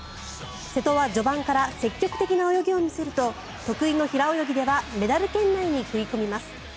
瀬戸は序盤から積極的な泳ぎを見せると得意の平泳ぎではメダル圏内に食い込みます。